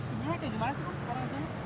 sebenarnya itu gimana sih